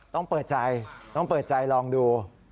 ต้องเปิดใจต้องเปิดใจลองดู